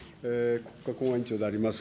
国家公安委員長であります